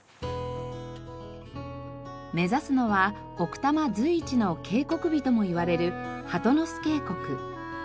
目指すのは奥多摩随一の渓谷美ともいわれる鳩ノ巣渓谷。